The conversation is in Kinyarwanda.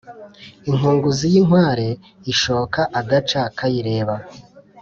inkunguzi y’inkware ishoka agaca kayireba